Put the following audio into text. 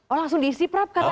oh langsung diisi prabu katanya